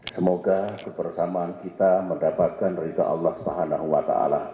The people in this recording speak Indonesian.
semoga kebersamaan kita mendapatkan ridha allah swt